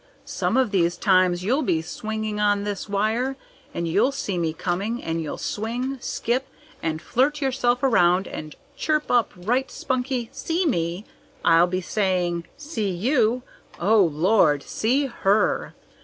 Some of these times you'll be swinging on this wire, and you'll see me coming, and you'll swing, skip, and flirt yourself around, and chip up right spunky: 'SEE ME?' I'll be saying 'See you? Oh, Lord! See her!'